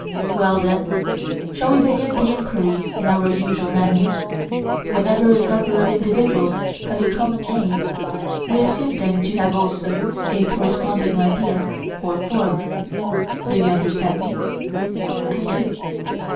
Well then, shall we begin the enquiry in our usual manner: Whenever a number of individuals have a common name, we assume them to have also a corresponding idea or form:—do you understand me? I do.